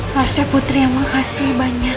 masya putri yang mengasihi banyak